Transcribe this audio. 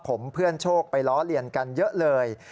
ผมเพื่อนโชคไปล้อเลียนกันเยอะเลย